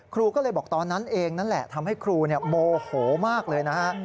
ครูก็เลยบอกตอนนั้นเองนั่นแหละทำให้ครูโมโหมากเลยนะฮะ